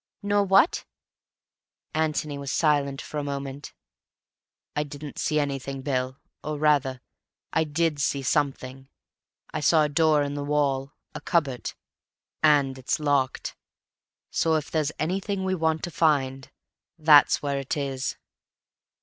"Nor what?" Antony was silent for a moment. "I didn't see anything, Bill. Or rather, I did see something; I saw a door in the wall, a cupboard. And it's locked. So if there's anything we want to find, that's where it is."